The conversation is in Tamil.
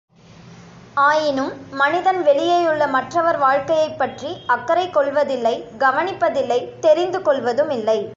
ஆயினும், மனிதன் வெளியேயுள்ள மற்றவர் வாழ்க்கையைப் பற்றி அக்கறை கொள்வதில்லை கவனிப்பதில்லை தெரிந்து கொள்வதுமில்லை!